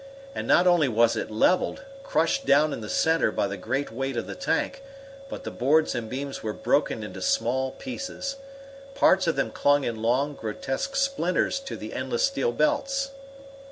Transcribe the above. And, not only was it leveled, crushed down in the center by the great weight of the tank, but the boards and beams were broken into small pieces. Parts of them clung in long, grotesque splinters to the endless steel belts.